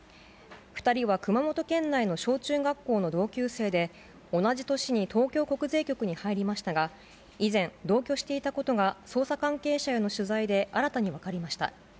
２人は熊本県内の小中学校の同級生で、同じ年に東京国税局に入りましたが、以前、同居していたことが、捜査関係者への取材で新たに分かりました。